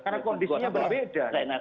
karena kondisinya berbeda